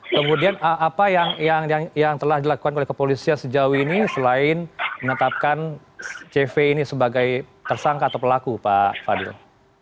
kemudian apa yang telah dilakukan oleh kepolisian sejauh ini selain menetapkan cv ini sebagai tersangka atau pelaku pak fadil